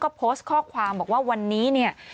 ก็โพสต์ข้อความบอกว่าวันนี้เนี่ย